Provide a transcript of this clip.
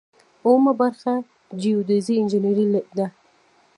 اوومه برخه جیوډیزي انجنیری ده.